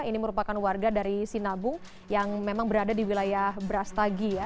ini merupakan warga dari sinabung yang memang berada di wilayah brastagi ya